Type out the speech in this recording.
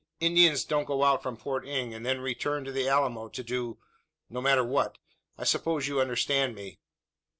Indians don't go out from Port Inge and then direct to the Alamo to do no matter what. I suppose you understand me?"